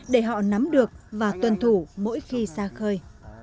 để họ nắm được và tuân thủ mỗi khi xa khơi